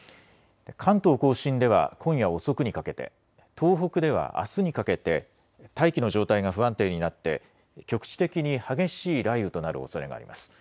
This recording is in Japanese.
関東甲信では今夜遅くにかけて、東北ではあすにかけて大気の状態が不安定になって局地的に激しい雷雨となるおそれがあります。